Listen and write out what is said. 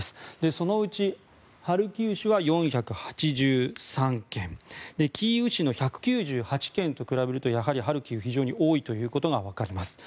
そのうちハルキウ市は４８３件キーウ市の１９８件と比べるとやはりハルキウは非常に多いということが分かります。